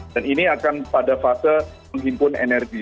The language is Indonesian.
dan ini akan pada fase menghimpun energi